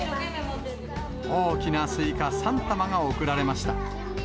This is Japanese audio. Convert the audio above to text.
大きなスイカ３玉が贈られました。